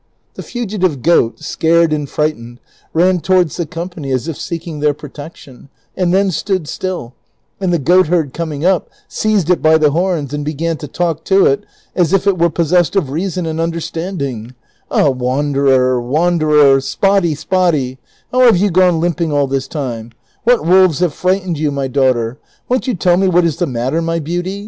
The fugitive goat, scared and frightened, ran towards the company as if seeking their protection and then stood still, and the goatherd conung up seized it by the horns and began to talk to it as if it were possessed of reason and understamliug : ''Ah wanderer, wanderer, Spotty, S])()tty ; how have you gone limping all this time ;'' What wolves have frightened you, my daughter ';'' Won't you tell me what is the matter, my beauty